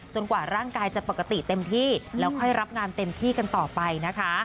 กว่าร่างกายจะปกติเต็มที่แล้วค่อยรับงานเต็มที่กันต่อไปนะคะ